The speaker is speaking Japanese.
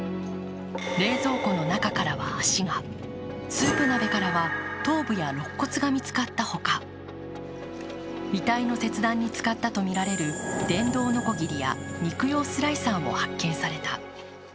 冷蔵庫の中からは足が、スープ鍋からは頭部やろっ骨が見つかったほか、遺体の切断に使ったとみられる電動のこぎりや肉用スライサーも発見された。